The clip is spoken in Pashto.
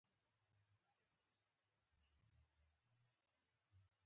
یاد شول.